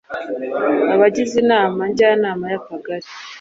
Abagize Inama jyanama ya akagari